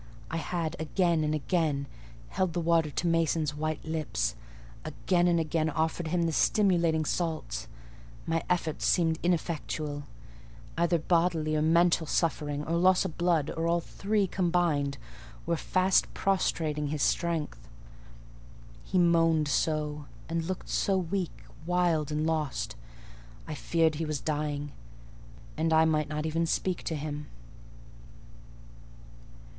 I had, again and again, held the water to Mason's white lips; again and again offered him the stimulating salts: my efforts seemed ineffectual: either bodily or mental suffering, or loss of blood, or all three combined, were fast prostrating his strength. He moaned so, and looked so weak, wild, and lost, I feared he was dying; and I might not even speak to him.